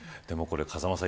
風間さん